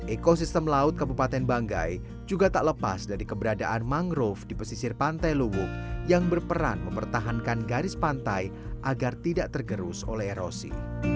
ekosistem laut kabupaten banggai juga tak lepas dari keberadaan mangrove di pesisir pantai luwuk yang berperan mempertahankan garis pantai agar tidak tergerus oleh erosi